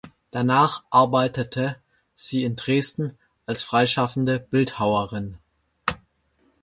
Danach arbeitete sie in Dresden als freischaffende Bildhauerin.